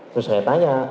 terus saya tanya